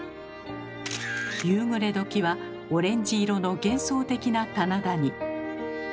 夕暮れ時はオレンジ色の幻想的な棚田に。